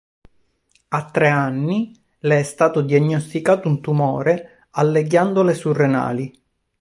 A tre anni le è stato diagnosticato un tumore alle ghiandole surrenali.